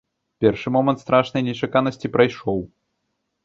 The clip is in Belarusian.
Першы момант страшнай нечаканасці прайшоў.